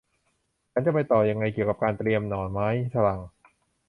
ฉันจะไปต่อยังไงเกี่ยวกับการเตรียมหน่อไม้ฝรั่ง